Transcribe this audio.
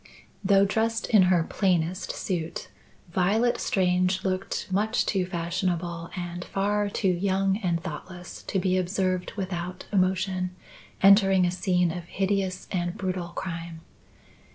Though dressed in her plainest suit, Violet Strange looked much too fashionable and far too young and thoughtless to be observed, without emotion, entering a scene of hideous and brutal crime.